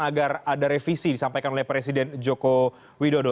agar ada revisi disampaikan oleh presiden joko widodo